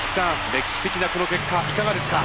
歴史的なこの結果いかがですか？